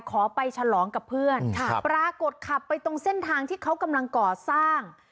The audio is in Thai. ขอไปฉลองกับเพื่อนปรากฏขับไปตรงเส้นทางที่เขากำลังก่อสร้าง